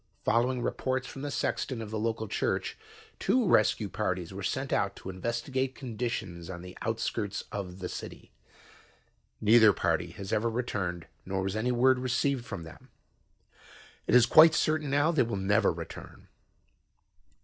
Following reports from the sexton of the local church, two rescue parties were sent out to investigate conditions on the outskirts of the city. Neither party has ever returned nor was any word received from them. It is quite certain now that they will never return.